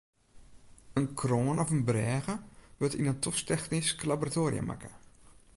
In kroan of in brêge wurdt yn in tosktechnysk laboratoarium makke.